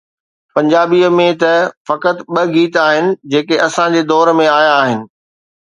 پنجابيءَ ۾ ته فقط ٻه گيت آهن، جيڪي اسان جي دور ۾ آيا آهن.